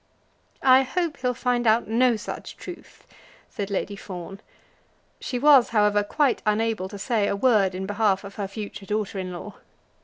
"I hope he'll find out no such truth," said Lady Fawn. She was, however, quite unable to say a word in behalf of her future daughter in law.